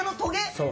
そう。